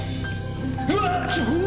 うわっ！